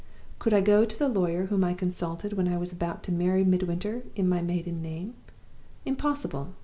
Could I go to the lawyer whom I consulted when I was about to marry Midwinter in my maiden name? Impossible!